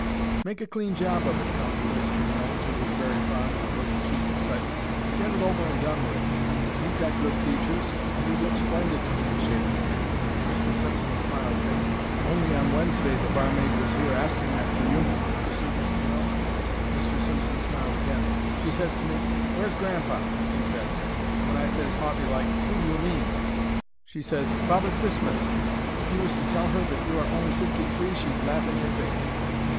"Make a clean job of it," counselled Mr. Mills, who was very fond of a little cheap excitement. "Get it over and done with. You've got good features, and you'd look splendid clean shaved." Mr. Simpson smiled faintly. "Only on Wednesday the barmaid here was asking after you," pursued Mr. Mills. Mr. Simpson smiled again. "She says to me, 'Where's Gran'pa?' she says, and when I says, haughty like, 'Who do you mean?' she says, 'Father Christmas!' If you was to tell her that you are only fifty three, she'd laugh in your face."